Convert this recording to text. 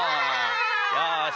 よし。